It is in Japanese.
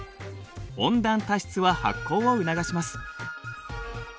温暖多湿は発酵を促します。